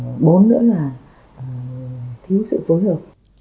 và bốn nữa là thiếu sự phối hợp